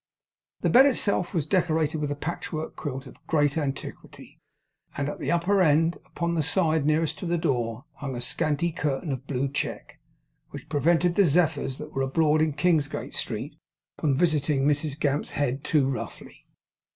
The bed itself was decorated with a patchwork quilt of great antiquity; and at the upper end, upon the side nearest to the door, hung a scanty curtain of blue check, which prevented the Zephyrs that were abroad in Kingsgate Street, from visiting Mrs Gamp's head too roughly.